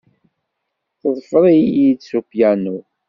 Teḍfer-iyi-d s upyanu.